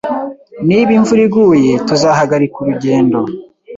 Niba imvura iguye, tuzahagarika urugendo.